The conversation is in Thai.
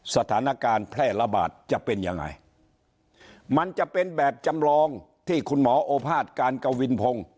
สถานการณ์แพร่ระบาดจะเป็นยังไงมันจะเป็นแบบจำลองที่คุณหมอโอภาษการกวินพงศ์